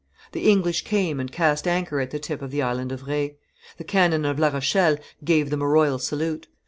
The English came and cast anchor at the tip of the Island of Re. The cannon of La Rochelle gave them a royal salute.